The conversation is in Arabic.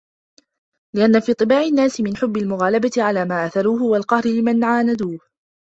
لِأَنَّ فِي طِبَاعِ النَّاسِ مِنْ حُبِّ الْمُغَالَبَةِ عَلَى مَا آثَرُوهُ وَالْقَهْرِ لِمَنْ عَانَدُوهُ